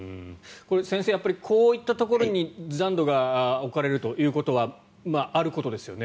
先生、こういったところに残土が置かれるということはあることですよね？